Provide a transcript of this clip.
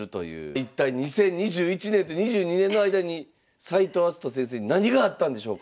一体２０２１年と２２年の間に斎藤明日斗先生に何があったんでしょうか。